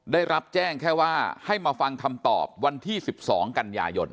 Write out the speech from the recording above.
ได้รับแจ้งแค่ว่าให้มาฟังคำตอบวันที่๑๒กันยายน